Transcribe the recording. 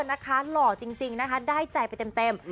หล่อจริงนะคะได้ใจไปเต็ม